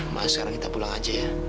maaf sekarang kita pulang aja ya